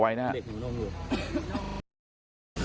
เป็นแต่อยู่นอกเลือด